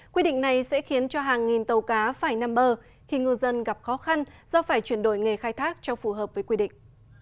quy định này sẽ khiến cho hàng nghìn tàu cá phải nằm bờ khi ngư dân gặp khó khăn do phải chuyển đổi nghề khai thác cho phù hợp với quy định